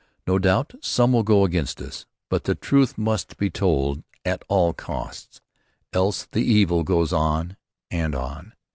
No doubt some will go against us, but the truth must be told at all costs, else the evil goes on and on.